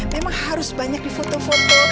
memang harus banyak di foto foto